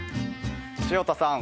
潮田さん